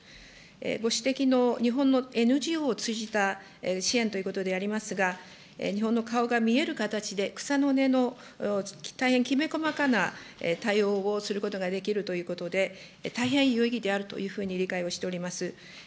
ご指摘の日本のＮＧＯを通じた支援ということでありますが、日本の顔が見える形で、草の根の大変きめ細かな対応をすることができるということで、大変有意義であるというふうに理解をしております。